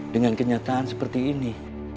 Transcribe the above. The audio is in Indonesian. dengan kenyataan seperti ini